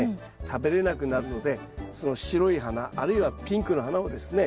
食べれなくなるのでその白い花あるいはピンクの花をですね